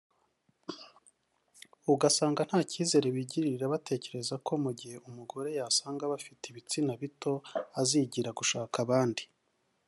ugasanga nta kizere bigirira batekereza ko mu gihe umugore yasanga bafite ibitsina bito azigira gushaka abandi